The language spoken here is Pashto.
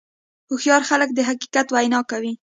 هوښیار خلک د حقیقت وینا کوي.